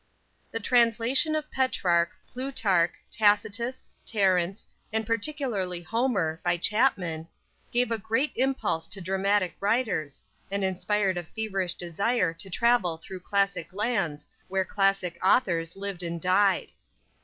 "_ The translation of Petrarch, Plutarch, Tacitus, Terence, and particularly Homer, by Chapman, gave a great impulse to dramatic writers, and inspired a feverish desire to travel through classic lands where classic authors lived and died.